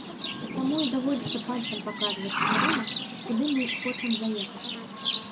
Таму і даводзіцца пальцам паказваць кірунак, куды мы хочам заехаць.